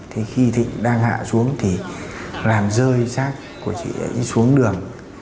thế khi thịnh đang hạ xuống thì làm rơi sát của chị ấy xuống đường